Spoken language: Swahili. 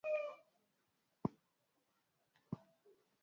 Vikundi vya wakulima huwezesha kuelimishana kuhusu bidhaa zao